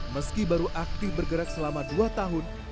meski baru aktif bergerak selama dua tahun